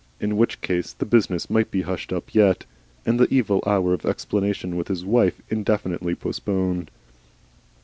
In which case the business might be hushed up yet, and the evil hour of explanation with his wife indefinitely postponed.